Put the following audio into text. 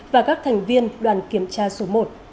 và các thành viên đoàn kiểm tra số một